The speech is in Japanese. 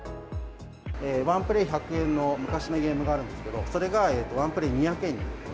１プレー１００円の昔のゲームがあるんですけど、それが１プレー２００円に。